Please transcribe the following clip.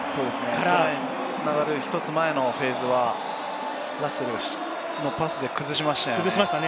つながる１つ前のフェーズはラッセルのパスで崩しました。